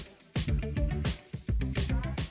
kemudian dikumpulkan ke kota